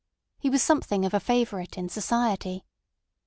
He was something of a favourite in society.